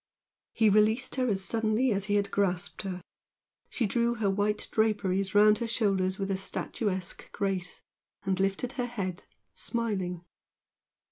He released her as suddenly as he had grasped her, she drew her white draperies round her shoulders with a statuesque grace, and lifted her head, smiling.